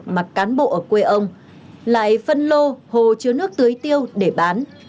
mà cán bộ ở quê ông lại phân lô hồ chứa nước tưới tiêu để bán